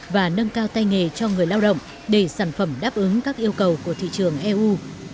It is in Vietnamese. và nâng cao tay nghề cho người lao động để sản phẩm đáp ứng các yêu cầu của thị trường eu